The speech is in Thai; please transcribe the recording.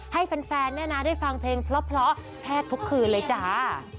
ให้แฟนเนี่ยนะได้ฟังเพลงเพราะแทบทุกคืนเลยจ้า